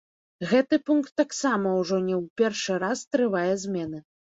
Гэты пункт таксама ўжо не ў першы раз трывае змены.